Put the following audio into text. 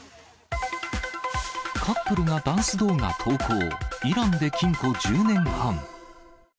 カップルがダンス動画投稿、イランで禁錮１０年半。